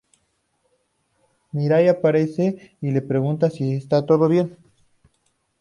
Mirai aparece y le pregunta si está todo bien.